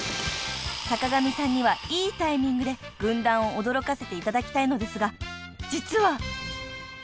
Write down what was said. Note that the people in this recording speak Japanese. ［坂上さんにはいいタイミングで軍団を驚かせていただきたいのですが実は］